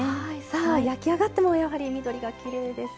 さあ焼き上がってもやはり緑がきれいです。